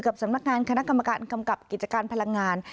สำนักงานคณะกรรมการกำกับกิจการพลังงาน